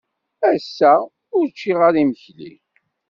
Ass-a, ur ččiɣ ara imekli.